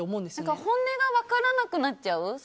何か本音が分からなくなっちゃう。